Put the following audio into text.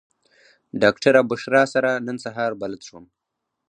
ډاکټره بشرا سره نن سهار بلد شوم.